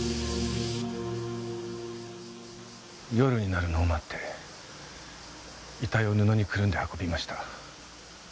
夜になるのを待って遺体を布にくるんで運びました。